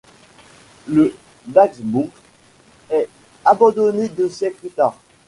Le Dagsbourg est abandonné deux siècles plus tard.